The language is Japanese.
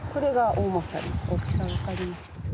大きさわかります？